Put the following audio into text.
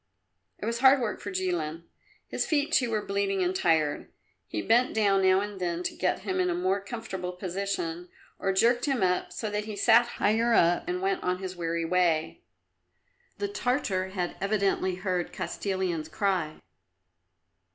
It was hard work for Jilin; his feet, too, were bleeding and tired. He bent down now and then to get him in a more comfortable position, or jerked him up so that he sat higher up, and went on his weary way. The Tartar had evidently heard Kostilin's cry.